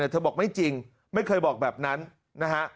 เธอบอกไม่จริงไม่เคยบอกแบบนั้นนะฮะ